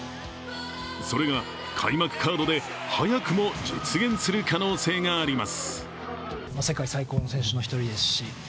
それが開幕カードで早くも実現する可能性があります。